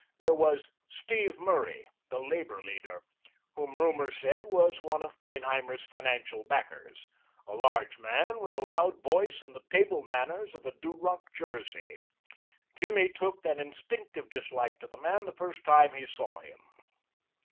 There was Steve Murray, the labor leader, whom rumor said was one of Feinheimer's financial backers a large man with a loud voice and the table manners of a Duroc Jersey. Jimmy took an instinctive dislike to the man the first time that he saw him.